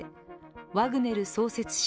ワグネル創設者